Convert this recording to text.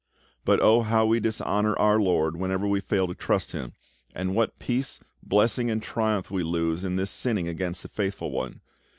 But oh, how we dishonour our LORD whenever we fail to trust Him, and what peace, blessing, and triumph we lose in thus sinning against the Faithful One!